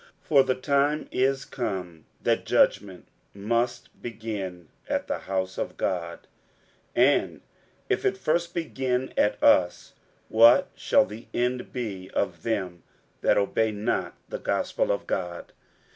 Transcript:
60:004:017 For the time is come that judgment must begin at the house of God: and if it first begin at us, what shall the end be of them that obey not the gospel of God?